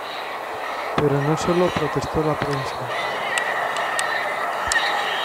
Pero no sólo protestó la prensa.